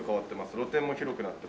露天も広くなってますし。